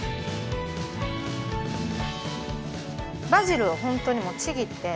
バジルを本当にもうちぎって。